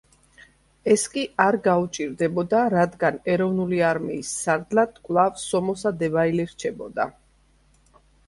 ეს კი არ გაუჭირდებოდა, რადგან ეროვნული არმიის სარდლად კვლავ სომოსა დებაილე რჩებოდა.